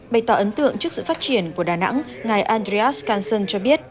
bày tỏ ấn tượng trước sự phát triển của đà nẵng ngài andreas kasson cho biết